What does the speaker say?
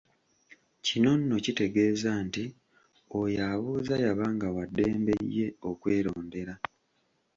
Kino nno kitegeeza nti oyo abuuza yabanga wa ddembe ye okwelondera.